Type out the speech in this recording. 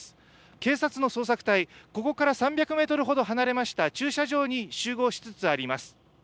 警察の捜索隊、ここから３００メートルほど離れました駐車場に集合しつつあります。